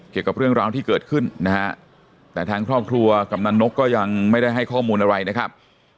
เกี่ยวกับเรื่องราวที่เกิดขึ้นนะฮะแต่ทางครอบครัวกำนันนกก็ยังไม่ได้ให้ข้อมูลอะไรนะครับ